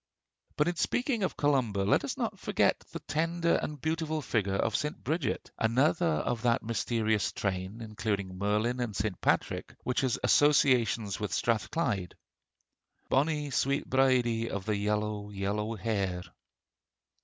But in speaking of Columba let us not forget the tender and beautiful figure of St. Bridget, another of that mysterious train, including Merlin and St. Patrick, which has associations with Strathclyde "Bonnie sweet St. Bride of the Yellow, yellow hair!"